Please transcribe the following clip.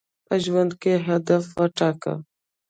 په ژوند کي هدف وټاکه.